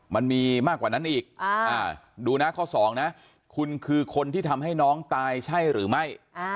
มันมีมากกว่านั้นอีกดูนะข้อสองนะคุณคือคนที่ทำให้น้องตายใช่หรือไม่